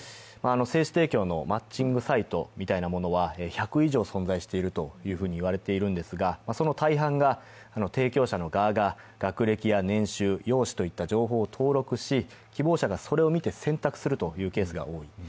精子提供のマッチングサイトみたいなものは１００以上存在しているといわれているんですが、その大半が提供者の側が学歴や年収、容姿といった情報を登録し、希望者がそれを見て選択するケースが多い。